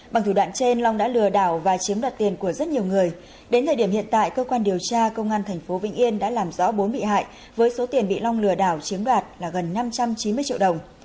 bằng thủ đoạn trên long đã lừa đảo và chiếm đoạt tiền của rất nhiều người đến thời điểm hiện tại cơ quan điều tra công an tp vĩnh yên đã làm rõ bốn bị hại với số tiền bị long lừa đảo chiếm đoạt là gần năm trăm chín mươi triệu đồng